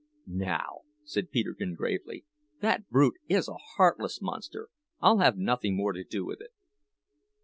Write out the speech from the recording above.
"Now," said Peterkin gravely, "that brute is a heartless monster; I'll have nothing more to do with it."